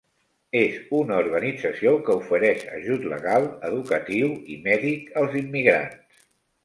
És una organització que ofereix ajut legal, educatiu i mèdic als immigrants.